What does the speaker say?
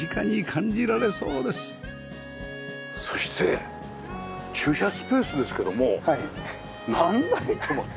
そして駐車スペースですけども何台止まります？